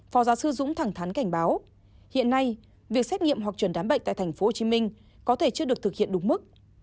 phó giáo sư dũng thẳng thắn cảnh báo hiện nay việc xét nghiệm hoặc chuẩn đám bệnh tại tp hcm có thể chưa được thực hiện đúng mức